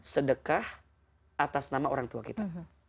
sedekah atas nama orang tua kita